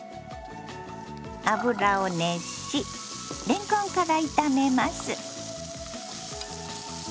油を熱しれんこんから炒めます。